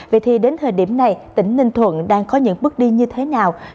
vậy thì đến thời điểm này tỉnh ninh thuận đang có những bước đi như thế nào